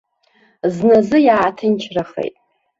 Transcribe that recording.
Зназы иааҭынчрахеит.